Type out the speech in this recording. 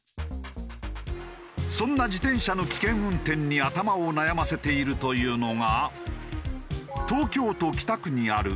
そんな自転車の危険運転に頭を悩ませているというのが。